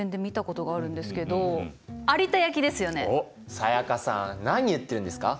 才加さん何言ってるんですか。